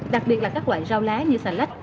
đặc biệt là các loại rau lá như xà lách